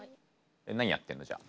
何やってんの？じゃあ。